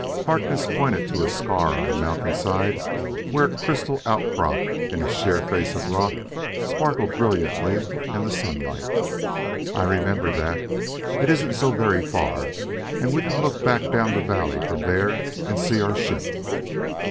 Harkness pointed to a scar on a mountainside where a crystal outcrop in a sheer face of rock sparkled brilliantly in the sunlight. "I remember that it isn't so very far and we can look back down the valley from there and see our ship."